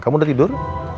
kamu udah tidur